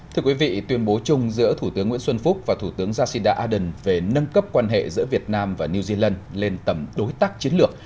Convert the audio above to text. thưa quý vị tuyên bố chung giữa thủ tướng nguyễn xuân phúc và thủ tướng jacinda ardern về nâng cấp quan hệ giữa việt nam và new zealand lên tầm đối tác chiến lược